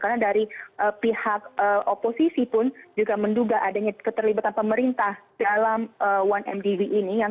karena dari pihak oposisi pun juga menduga adanya keterlibatan pemerintah dalam satu mdb ini yang